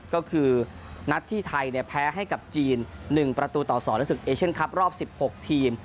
ก็คือนัดที่ไทยแพ้ให้กับจีน๑ประตูต่อ๒ในศึกเอเชียนคลับรอบ๑๖ทีม